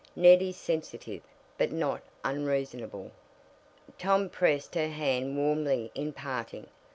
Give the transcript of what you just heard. "Ned is sensitive, but not unreasonable." Tom pressed her hand warmly in parting.